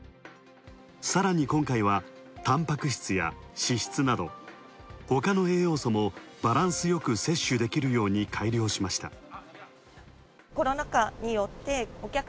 さらに今回は、たんぱく質や脂質など、ほかの栄養素もバランスよく摂取できるように改良しました。